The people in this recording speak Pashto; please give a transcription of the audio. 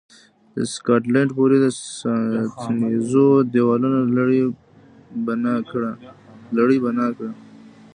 د سکاټلند پورې د ساتنیزو دېوالونو لړۍ بنا کړه.